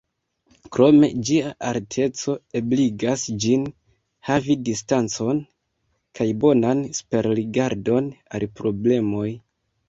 Krome, ĝia alteco ebligas ĝin havi distancon kaj bonan superrigardon al problemoj.